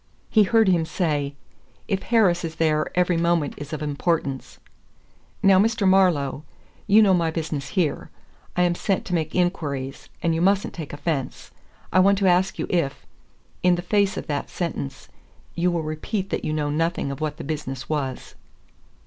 He heard him say: 'If Harris is there every moment is of importance.' Now, Mr. Marlowe, you know my business here. I am sent to make inquiries, and you mustn't take offense. I want to ask you if, in the face of that sentence, you will repeat that you know nothing of what the business was."